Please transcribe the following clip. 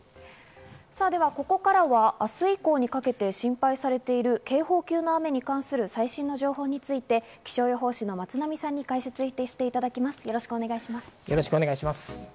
ここからは明日以降にかけて心配されている警報級の雨に関する最新の情報について気象予報士の松並さんに解説していただきます、よろしくお願いします。